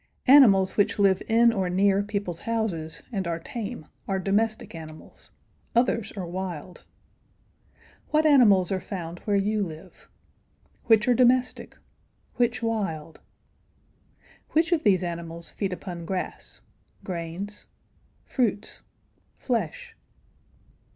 Animals which live in or near people's houses and are tame are domestic animals; others are wild. [Illustration: TIGER'S FEET.] What animals are found where you live? Which are domestic? Which wild? Which of these animals feed upon grass? grains? fruits? flesh?